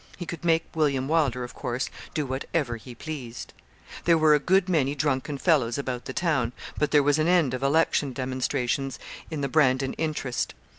He could make William Wylder, of course, do whatever he pleased. There were a good many drunken fellows about the town, but there was an end of election demonstrations in the Brandon interest.